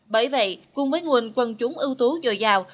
bởi vậy cùng với nguồn quân chúng ưu tú dồi dào